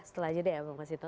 setelah ini deh mas jayadi